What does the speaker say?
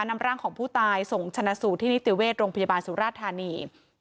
นำร่างของผู้ตายส่งชนะสูตรที่นิติเวชโรงพยาบาลสุราธานี